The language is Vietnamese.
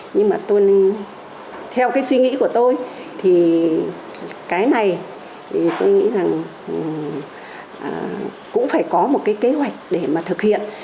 nhưng mà tôi theo cái suy nghĩ của tôi thì cái này thì tôi nghĩ rằng cũng phải có một cái kế hoạch để mà thực hiện